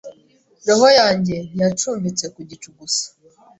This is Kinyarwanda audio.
Roho yanjye ntiyacumbitse ku gicu gusa